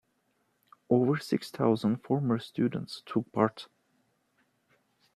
Over six thousand former students took part.